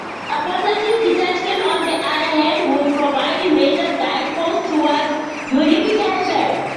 A positive detection, on the other hand, would provide a major guidepost towards unification.